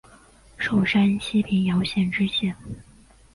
授山西平遥县知县。